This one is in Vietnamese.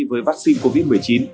với vắc xin covid một mươi chín